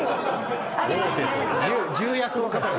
重役の方々。